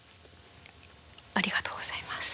ありがとうございます。